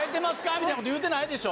みたいなこと言うてないでしょ。